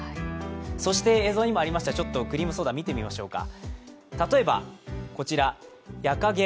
そして、映像にもありましたクリームソーダ見てみましょうか。